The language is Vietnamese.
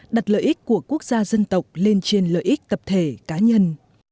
đặt lợi ích của quốc gia dân tộc lên trên lợi ích tập thể cá nhân